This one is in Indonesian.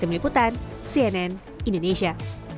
demi liputan cnn indonesia